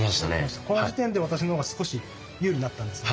この時点で私の方が少し有利になったんですね。